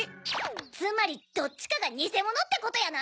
つまりどっちかがにせものってことやな！